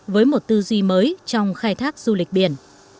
với một tư duy mới trong khai thác du lịch biển